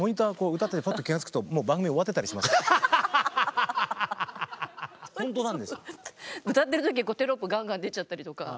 歌ってる時にテロップガンガン出ちゃったりとか。